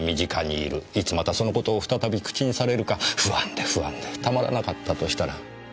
いつまたそのことを再び口にされるか不安で不安でたまらなかったとしたら。